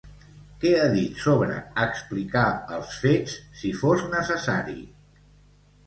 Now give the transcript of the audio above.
Què ha dit sobre explicar els fets si fos necessari?